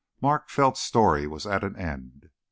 Mark Felt's story was at an end.